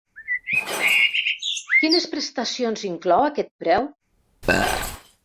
Quines prestacions inclou aquest preu?